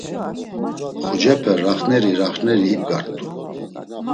Mxucepe raxneri raxneri ibgart̆u.